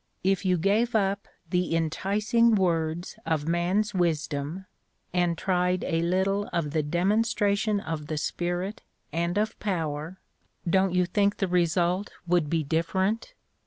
If you gave up 'the enticing words of man's wisdom,' and tried a little of 'the demonstration of the spirit and of power,' don't you think the result would be different?